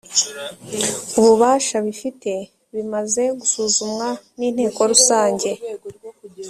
ububasha bifite bimaze gusuzumwa ninteko rusange